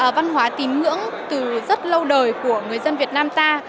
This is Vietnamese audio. văn hóa tín ngưỡng từ rất lâu đời của người dân việt nam ta